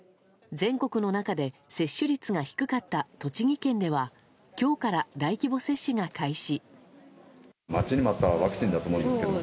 全国の中で接種率が低かった栃木県では今日から大規模接種が開始。